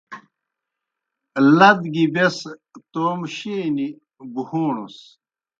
لد گیْ بیْس تومہ شینیْ بُہَوݨَس۔